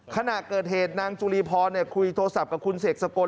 ขณะเกิดเหตุนางจุลีพรคุยโทรศัพท์กับคุณเสกสกล